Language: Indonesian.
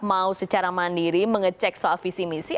mau secara mandiri mengecek selalvisi misi